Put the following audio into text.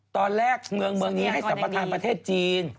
ตอนแรกเมืองเมืองนี้ให้สัมภาษณ์ประเทศจีน